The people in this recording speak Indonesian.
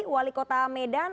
wali kota medan